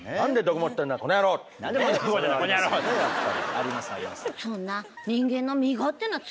ありますあります。